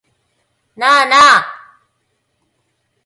なあなあ